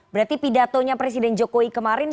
berarti pidatonya presiden jokowi kemarin